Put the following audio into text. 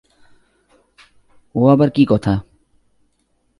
ও আবার কী কথা।